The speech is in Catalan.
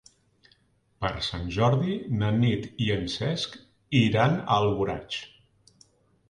Per Sant Jordi na Nit i en Cesc iran a Alboraig.